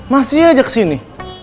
masih aja kesini